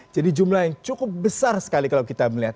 jadi jumlah yang cukup besar sekali kalau kita melihat